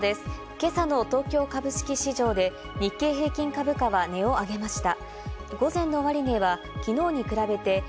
今朝の東京株式市場で日経平均株価は値を上げました。